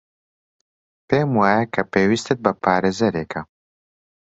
پێم وایە کە پێویستت بە پارێزەرێکە.